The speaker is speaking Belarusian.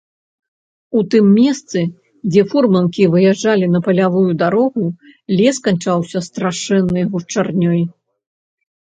У тым месцы, дзе фурманкі выязджалі на палявую дарогу, лес канчаўся страшэннай гушчарнёй.